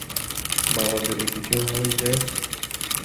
বাবার যদি কিছু হয় যায়?